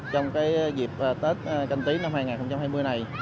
trong dịp tết canh tí năm hai nghìn hai mươi này